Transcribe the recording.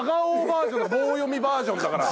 バージョン棒読みバージョンだから。